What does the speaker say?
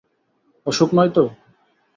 অসুখ নয় তো?